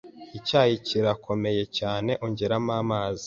Icyayi kirakomeye cyane. Ongeramo amazi.